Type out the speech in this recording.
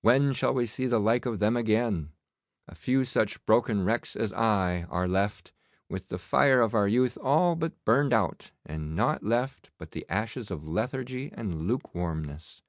When shall we see the like of them again? A few such broken wrecks as I are left, with the fire of our youth all burned out and nought left but the ashes of lethargy and lukewarmness.